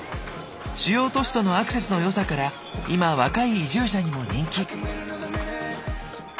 主要都市とのアクセスの良さから今若い移住者にも人気。